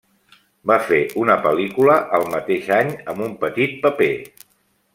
Va fer una pel·lícula el mateix any amb un petit paper.